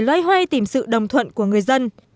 lấy hoay tìm sự đồng thuận của người dân